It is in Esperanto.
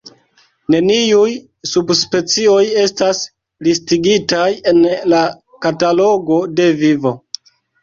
Neniuj subspecioj estas listigitaj en la Katalogo de Vivo.